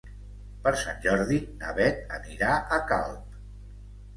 Per Sant Jordi na Bet anirà a Calp.